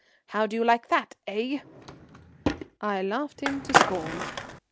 How do you like that, eh?" I laughed him to scorn.